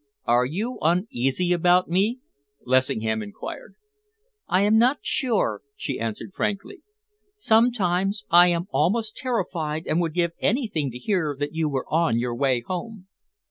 "Are you uneasy about me?" Lessingham enquired. "I am not sure," she answered frankly. "Sometimes I am almost terrified and would give anything to hear that you were on your way home.